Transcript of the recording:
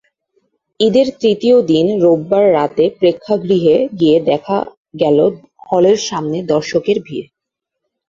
ঈদের তৃতীয় দিন রোববার রাতে প্রেক্ষাগৃহে গিয়ে দেখা গেল হলের সামনে দর্শকের ভিড়।